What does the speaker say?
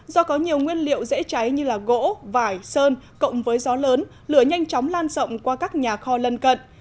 do có nhiều nguyên liệu dễ cháy như gỗ vải sơn cộng với gió lớn lửa nhanh chóng lan rộng qua các nhà kho lân cận